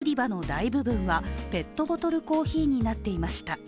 スーパーでは、コーヒー売り場の大部分はペットボトルコーヒーになっていました。